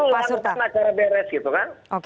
mulai karena cara beres gitu kan